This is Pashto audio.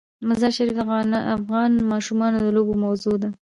مزارشریف د افغان ماشومانو د لوبو موضوع ده.